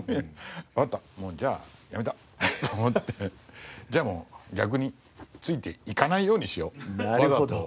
わかったもうじゃあやめたと思ってじゃあもう逆についていかないようにしようっていう事を。